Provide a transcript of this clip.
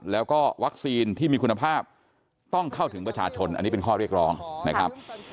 แล้วก็วัคซีนที่มีคุณภาพต้องเข้าถึงประชาชนอันนี้เป็นข้อเรียกร้องนะครับ